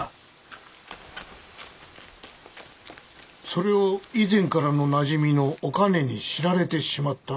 それを以前からのなじみのお兼に知られてしまった。